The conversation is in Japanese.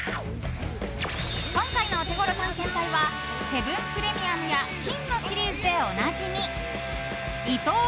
今回のオテゴロ探検隊はセブンプレミアムや金のシリーズでおなじみイトー